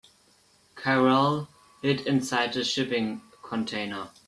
Carol hid inside the shipping container.